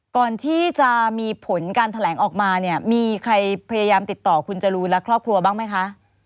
ก่อนที่จะมีผลการแถลงออกมาเนี่ยมีใครพยายามติดต่อคุณจรูนและครอบครัวบ้างไหมคะ